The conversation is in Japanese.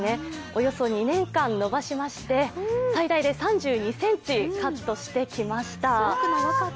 およそ２年間、伸ばしまして最大で３２ｃｍ、カットしてきました。